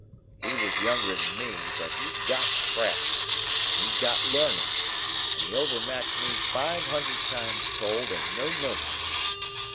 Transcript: He was younger than me, but he'd got craft, and he'd got learning, and he overmatched me five hundred times told and no mercy.